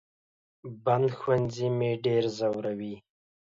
بند ښوونځي مې ډېر زوروي